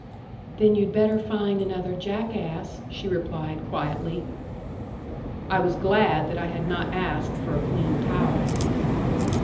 "Then you'd better find another jackass," she replied quietly. I was glad that I had not asked for a clean towel.